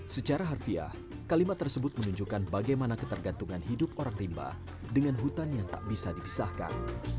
secara harfiah kalimat tersebut menunjukkan bagaimana ketergantungan hidup orang rimba dengan hutan yang tak bisa dipisahkan